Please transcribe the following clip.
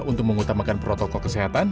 untuk mengutamakan protokol kesehatan